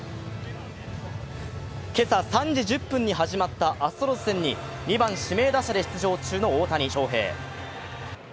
今朝３時１０分に始まったアストロズ戦に２番・指名打者で出場中の大谷翔平。